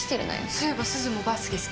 そういえばすずもバスケ好きだよね？